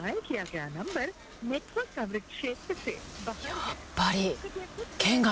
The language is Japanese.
やっぱり。